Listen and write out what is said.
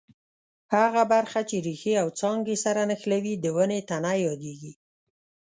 هغه برخه چې ریښې او څانګې سره نښلوي د ونې تنه یادیږي.